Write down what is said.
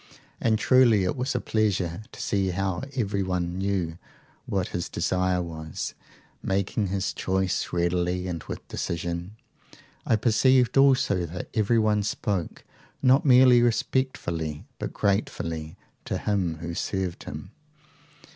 And truly it was a pleasure to see how everyone knew what his desire was, making his choice readily and with decision. I perceived also that everyone spoke not merely respectfully, but gratefully, to him who served him.